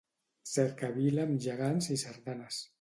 Cercavila amb gegants i sardanes.